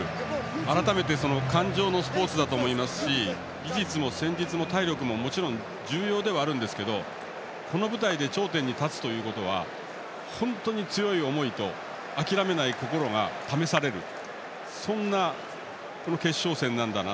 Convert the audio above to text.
改めて感情のスポーツだと思いますし技術も戦術も体力ももちろん重要ではあるんですけどこの舞台で頂点に立つということは本当に強い思いと諦めない心が試されるそんな決勝戦なんだな